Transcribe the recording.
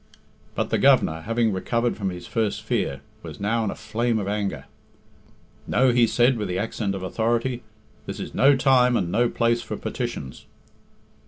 But the Governor, having recovered from his first fear, was now in a flame of anger. "No," he said, with the accent of authority; "this is no time and no place for petitions."